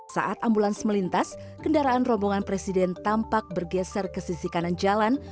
saat ambulans melintas kendaraan rombongan presiden tampak bergeser ke sisi kanan jalan